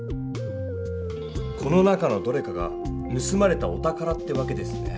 この中のどれかがぬすまれたお宝ってわけですね。